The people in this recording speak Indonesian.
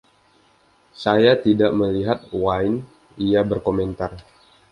“Saya tidak melihat wine,” ia berkomentar.